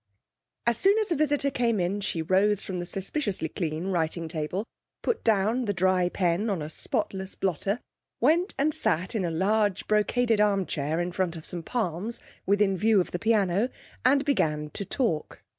As soon as a visitor came in, she rose from the suspiciously clean writing table, put down the dry pen on a spotless blotter, went and sat in a large brocaded arm chair in front of some palms, within view of the piano, and began to talk.